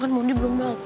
kan moni belum dateng